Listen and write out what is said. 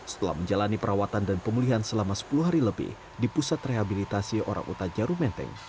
setelah menjalani perawatan dan pemulihan selama sepuluh hari lebih di pusat rehabilitasi orang uta jarum menteng